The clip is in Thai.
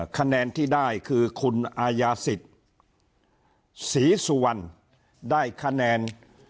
ขนาดที่ได้คือคุณอายาศิษย์ศรีสุวรรภ์ได้ขนาด๔๘๗๒๐